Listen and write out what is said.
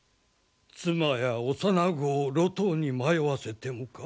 妻や幼子を路頭に迷わせてもか？